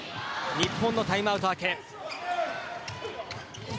日本のタイムアウト明け。